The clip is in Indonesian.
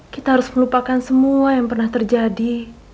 kita harus melupakan semua yang pernah terjadi